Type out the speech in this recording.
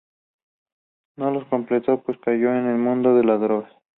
No los completó, pues cayó en el mundo de las drogas.